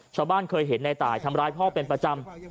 เคยเห็นในตายทำร้ายพ่อเป็นประจำ